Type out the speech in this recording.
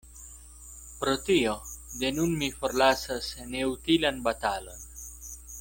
Pro tio, de nun mi forlasas neutilan batalon.